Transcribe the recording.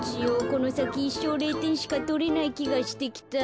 このさきいっしょう０てんしかとれないきがしてきた。